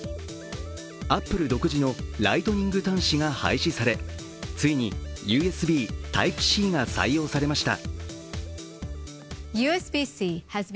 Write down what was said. アップル独自のライトニング端子が廃止されついにＵＳＢＴｙｐｅ−Ｃが採用されました。